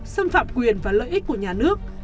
xâm phạm quyền và lợi ích của nhà nước